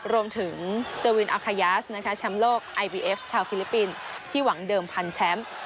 รวมถึงเจวินอาคายาสนะคะแชมป์โลกไอบีเอฟชาวฟิลิปปินส์ที่หวังเดิมพันแชมป์